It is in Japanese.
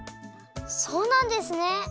そうなんですね！